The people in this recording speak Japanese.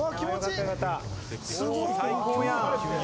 最高やん！